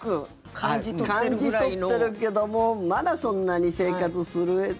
感じ取ってるけどもまだそんなに生活するうえで。